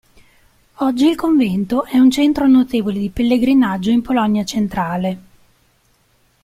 Oggi il convento è un centro notevole di pellegrinaggio in Polonia centrale.